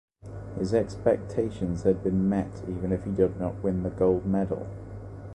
His expectations had been met even if he did not win the gold medal.